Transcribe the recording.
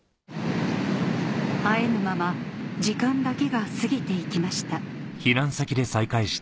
会えぬまま時間だけが過ぎていきました